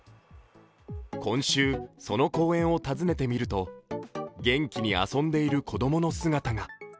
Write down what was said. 今週、その公園を訪ねてみると元気に遊んでいる子どもの姿が。